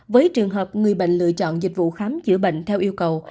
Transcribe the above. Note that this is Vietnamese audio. với trường hợp người bệnh lựa chọn dịch vụ khám chữa bệnh theo yêu cầu